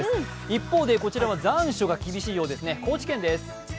一方でこちらは残暑が厳しいようですね、高知県です。